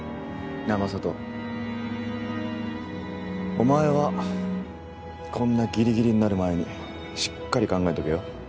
お前はこんなぎりぎりになる前にしっかり考えとけよ